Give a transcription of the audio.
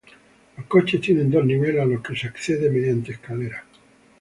Los coches tiene dos niveles a los que se accede mediante escaleras.